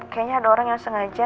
kayaknya ada orang yang sengaja